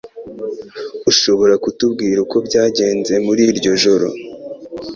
Ushobora kutubwira uko byagenze muri iryo joro